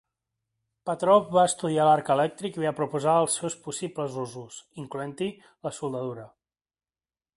Petrov va estudiar l'arc elèctric i va proposar els seus possibles usos, incloent-hi la soldadura.